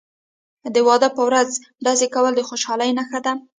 د واده په ورځ ډزې کول د خوشحالۍ نښه ده.